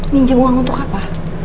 minjem uang untuk apa